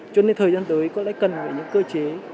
cho nên thời gian tới có lẽ cần phải những cơ chế